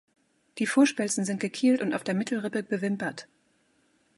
Die Vorspelzen sind gekielt und auf der Mittelrippe bewimpert.